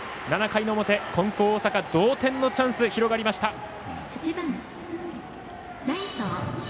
７回の表、金光大阪同点のチャンス、広がりました。